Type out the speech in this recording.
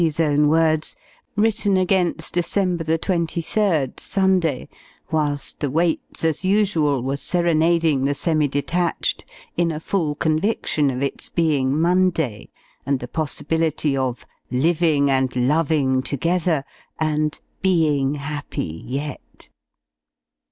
's own words, written against December 23rd, Sunday (whilst the Waits, as usual, were serenading the semi detached, in a full conviction of its being Monday, and the possibility of "living and loving together," and "being happy yet").